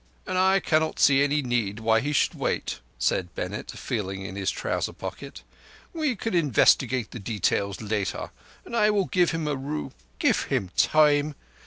"And I cannot see any need why he should wait," said Bennett, feeling in his trouser pocket. "We can investigate the details later—and I will give him a ru—" "Give him time.